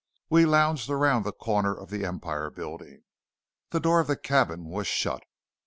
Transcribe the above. We lounged around the corner of the Empire building. The door of the cabin was shut.